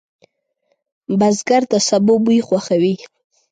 بزګر د سبو بوی خوښوي